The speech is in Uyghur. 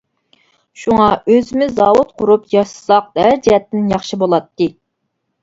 شۇڭا ئۆزىمىز زاۋۇت قۇرۇپ ياسىساق ھەر جەھەتتىن ياخشى بولاتتى.